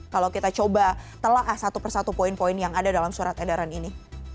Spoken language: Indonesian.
kalau kita coba telah satu persatu poin poin yang ada dalam surat edaran ini